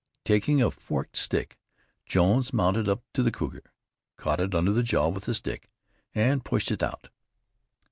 Taking a forked stick, Jones mounted up to the cougar, caught it under the jaw with the stick, and pushed it out.